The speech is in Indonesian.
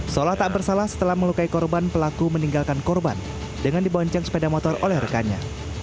seolah tak bersalah setelah melukai korban pelaku meninggalkan korban dengan dibonceng sepeda motor oleh rekannya